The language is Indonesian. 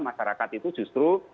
masyarakat itu justru